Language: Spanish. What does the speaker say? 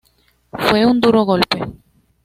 Fue un duro golpe.